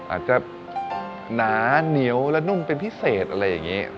อาจจะหนาเหนียวและนุ่มเป็นพิเศษอะไรอย่างนี้